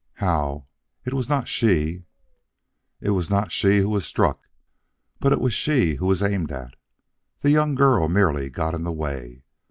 "How! It was not she " "It was not she who was struck, but it was she who was aimed at. The young girl merely got in the way.